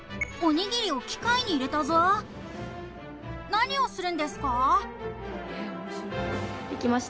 おにぎりを機械に入れたぞ何をするんですか？